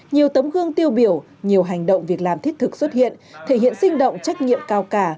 nhiều tấm gương tiêu biểu nhiều hành động việc làm thiết thực xuất hiện thể hiện sinh động trách nhiệm cao cả